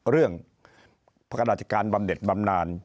เรื่องพระราชการบำเด็ดบำนาน